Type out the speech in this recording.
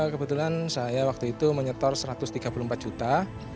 kebetulan saya waktu itu menyetor satu ratus tiga puluh empat juta